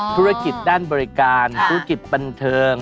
ธุรกิจด้านบริการธุรกิจบันเทิง